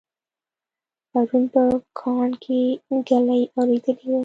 پرون په کاڼ کې ږلۍ اورېدلې وه